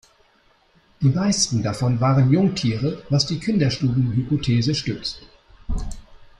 Die meisten davon waren Jungtiere, was die Kinderstuben-Hypothese stützt.